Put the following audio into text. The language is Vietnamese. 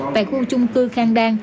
tại khu chung cư khang đan